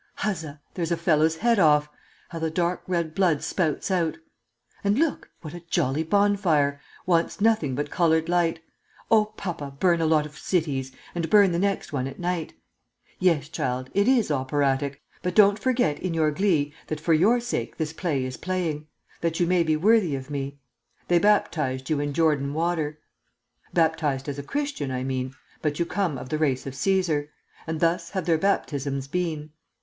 Huzza! there's a fellow's head off, How the dark red blood spouts out! And look, what a jolly bonfire! Wants nothing but colored light! Oh, papa, burn a lot of cities, And burn the next one at night!' "'Yes, child, it is operatic; But don't forget, in your glee, That for your sake this play is playing, That you may be worthy of me. They baptized you in Jordan water, Baptized as a Christian, I mean, But you come of the race of Cæsar, And thus have their baptisms been.